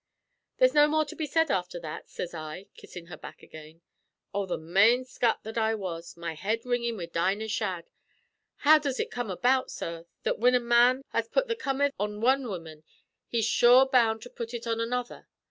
"'There's no more to be said afther that,' sez I, kissin' her back again. Oh, the mane scut that I was, my head ringin' wid Dinah Shadd! How does ut come about, sorr, that whin a man has put the comether on wan woman he's sure bound to put ut on another?